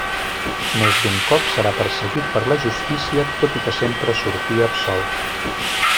Més d’un cop serà perseguit per la justícia, tot i que sempre sortí absolt.